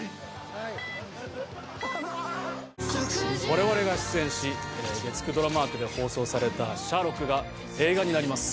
我々が出演し月９ドラマ枠で放送された「シャーロック」が映画になります。